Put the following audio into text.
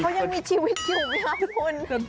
เขายังมีชีวิตอยู่กับคน